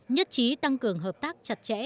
nhất trí tăng cường hợp tác chặt chẽ